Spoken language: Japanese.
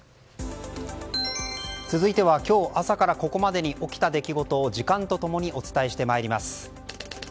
続いては今日朝からここまでに起きた出来事を時間と共にお伝えしてまいります。